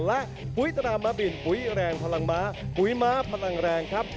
และปุ๋ยตนามาบินปุ๋ยแรงพลังม้าปุ๋ยม้าพลังแรงครับ